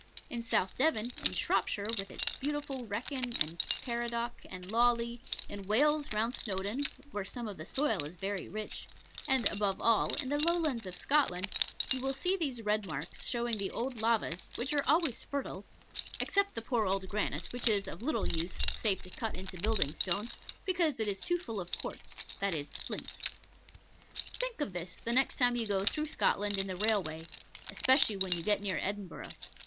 In South Devon, in Shropshire with its beautiful Wrekin, and Caradoc, and Lawley in Wales, round Snowdon (where some of the soil is very rich), and, above all, in the Lowlands of Scotland, you see these red marks, showing the old lavas, which are always fertile, except the poor old granite, which is of little use save to cut into building stone, because it is too full of quartz that is, flint. Think of this the next time you go through Scotland in the railway, especially when you get near Edinburgh.